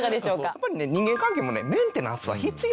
やっぱり人間関係もメンテナンスは必要。